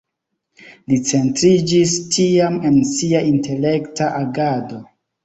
Li centriĝis tiam en sia intelekta agado.